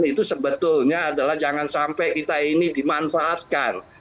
itu sebetulnya adalah jangan sampai kita ini dimanfaatkan